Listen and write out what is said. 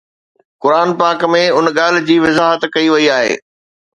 قرآن پاڪ ۾ ان ڳالهه جي وضاحت ڪئي وئي آهي